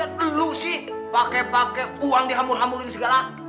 lagian lu sih pakai pakai uang dihamur hamurin segala